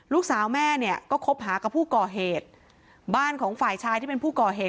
ลูกสาวแม่เนี่ยก็คบหากับผู้ก่อเหตุบ้านของฝ่ายชายที่เป็นผู้ก่อเหตุ